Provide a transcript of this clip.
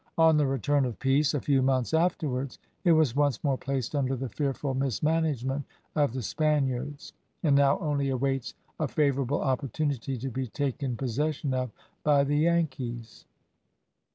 On the return of peace, a few months afterwards, it was once more placed under the fearful mismanagement of the Spaniards, and now only awaits a favourable opportunity to be taken possession of by the Yankees.